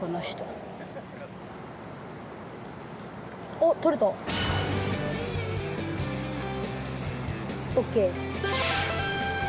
おっとれた！ＯＫ！